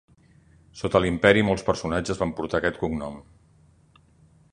Sota l'Imperi molts personatges van portar aquest cognom.